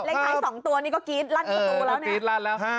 เล็กไทยสองตัวนี่ก็กรี๊ดเออกรี๊ดลั่นแล้วค่ะ